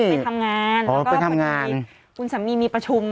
ไปทำงานแล้วก็พอดีคุณสามีมีประชุม